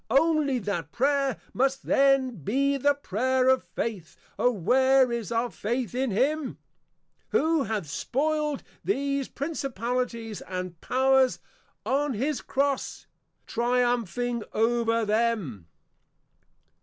Only that Prayer must then be the Prayer of Faith: O where is our Faith in him, Who hath spoiled these Principalities and Powers, on his Cross, Triumphing over them!